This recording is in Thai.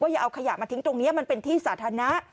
อย่าเอาขยะมาทิ้งตรงนี้มันเป็นที่สาธารณะ